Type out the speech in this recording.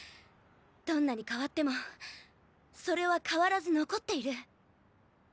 どんなに変わってもそれは変わらず残っている。